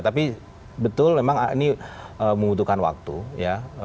tapi betul memang ini membutuhkan waktu ya